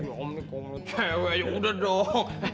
oh om nih kalau ngeliat cewek ya udah dong